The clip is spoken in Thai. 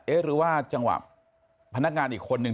หรือว่าจังหวะพนักงานอีกคนนึง